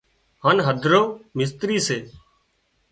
هانَ هڌرو مستري سي